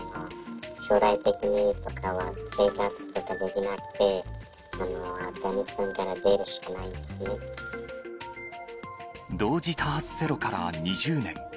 将来的に生活とかできなくて、アフガニスタンから出るしかない同時多発テロから２０年。